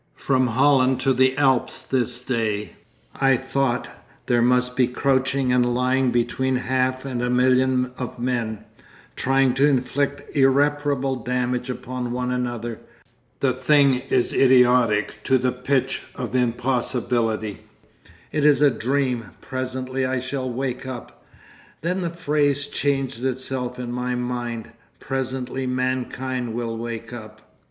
'"From Holland to the Alps this day," I thought, "there must be crouching and lying between half and a million of men, trying to inflict irreparable damage upon one another. The thing is idiotic to the pitch of impossibility. It is a dream. Presently I shall wake up." ... 'Then the phrase changed itself in my mind. "Presently mankind will wake up."